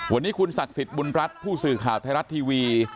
วันนี้คุณศักดิ์สิทธิ์บุญรัฐผู้สื่อข่าวไทยรัฐทีวี